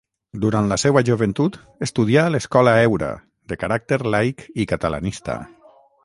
Durant la seua joventut estudià a l'Escola Heura, de caràcter laic i catalanista.